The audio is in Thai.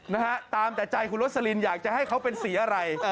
นะฮะตามแต่ใจคุณโรสลินอยากจะให้เขาเป็นสีอะไร